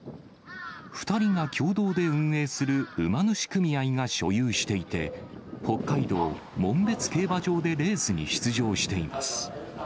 ２人が共同で運営する馬主組合が所有していて、北海道、門別競馬場でレースに出場しています。